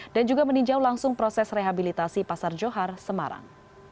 dan juga meninjau langsung proses rehabilitasi pasar johar semarang